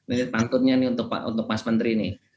ini pantunnya untuk pak mas menteri ini